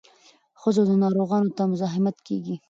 ښځو او ناروغانو ته مزاحمت کیږي.